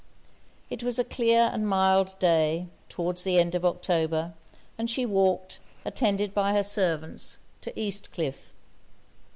It was a clear and mild day, towards the end of October; and she walked, attended by her servants, to East Cliff.